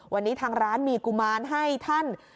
วันนี้ทางร้านมีกุมารให้ท่าน